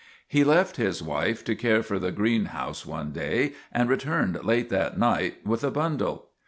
He left his wife to care for the greenhouse one day and re turned late that night with a bundle.